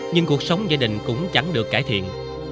nhưng cuộc sống gia đình cũng chẳng được cải thiện